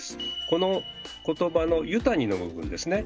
この言葉の「湯谷」の部分ですね。